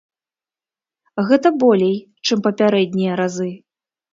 Гэта болей, чым папярэднія разы.